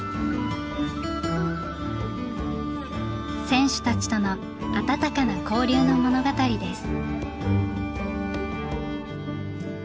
選手たちとの温かな交流の物語です。